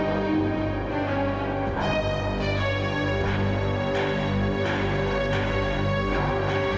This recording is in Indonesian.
eta selamat dilahirkan